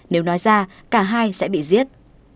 nếu nói ra cả hai sẽ bị giết